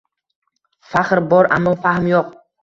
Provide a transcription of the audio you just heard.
Faxr bor ammo fahm yo‘q